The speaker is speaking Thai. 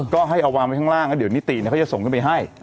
ก็ให้เอาวางไว้ข้างล่างแล้วเดี๋ยวนิติเขาจะส่งขึ้นไปให้